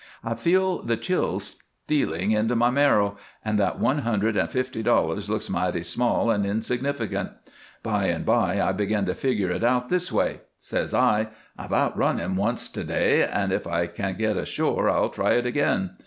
I feel the chills stealing into my marrow, and that one hundred and fifty dollars looks mighty small and insignificant. By and by I begin to figure it out this way: says I, 'I've outrun him once to day, and if I can get ashore I'll try it again.'